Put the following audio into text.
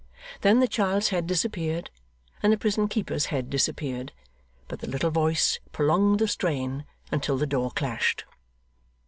Then the child's head disappeared, and the prison keeper's head disappeared, but the little voice prolonged the strain until the door clashed.